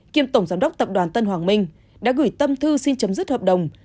kiêm tổng giám đốc tập đoàn tân hoàng minh đã gửi tâm thư xin chấm dứt hợp đồng